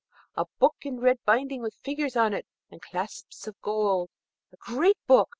a book in red binding, with figures on it and clasps of gold, a great book!